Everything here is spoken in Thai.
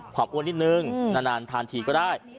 อ้วนนิดนึงนานทานทีก็ได้